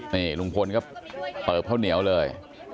นี่ลุงพลก็เปิบข้าวเหนียวเลย